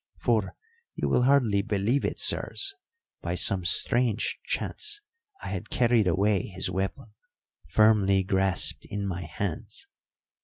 For, you will hardly believe it, sirs, by some strange chance I had carried away his weapon, firmly grasped in my hands.